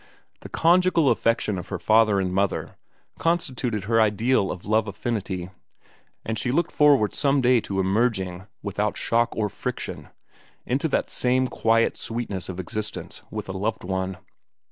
The conjugal affection of her father and mother constituted her ideal of love affinity, and she looked forward some day to emerging, without shock or friction, into that same quiet sweetness of existence with a loved one.